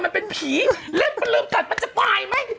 มันเป็นผีลิฟ้ามันรึมตัดมันจะปลายมั้ย